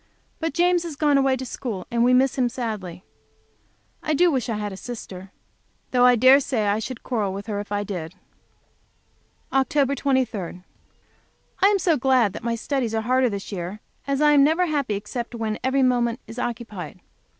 But James has gone away to school, and we miss him sadly. I wish I had a sister. Though I dare say I should quarrel with her, if I had. Oct 23. I am so glad that my studies are harder this year, as I am never happy except when every moment is occupied.